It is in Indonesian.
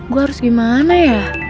gua harus gimana ya